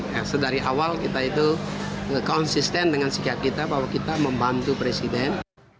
nah sedari awal kita itu konsisten dengan sikap kita bahwa kita membantu presiden